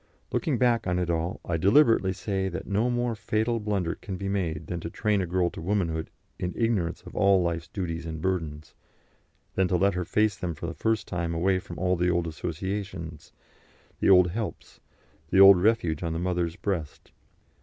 Looking back on it all, I deliberately say that no more fatal blunder can be made than to train a girl to womanhood in ignorance of all life's duties and burdens, and then to let her face them for the first time away from all the old associations, the old helps, the old refuge on the mother's breast.